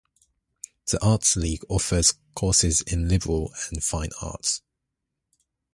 The arts college offers courses in Liberal and fine arts.